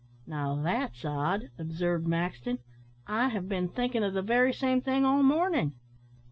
"Now that's odd," observed Maxton, "I have been thinking of the very same thing all morning."